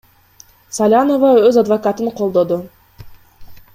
Салянова өз адвокатын колдоду.